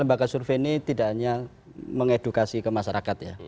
lembaga survei ini tidak hanya mengedukasi ke masyarakat ya